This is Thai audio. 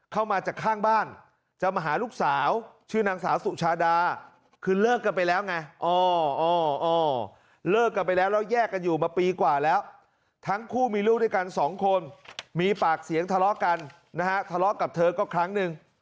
อ๋ออ๋อเลิกกันไปแล้วแล้วแยกกันอยู่มาปีกว่าแล้วทั้งคู่มีลูกด้วยกันสองคนมีปากเสียงทะเลาะกันนะฮะทะเลาะกับเธอก็ครั้งหนึ่ง